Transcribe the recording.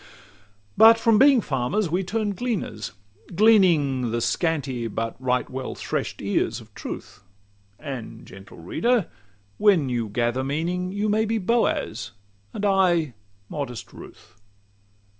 XCVI But from being farmers, we turn gleaners, gleaning The scanty but right well thresh'd ears of truth; And, gentle reader! when you gather meaning, You may be Boaz, and I modest Ruth.